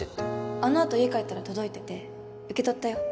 あのあと家帰ったら届いてて受け取ったよ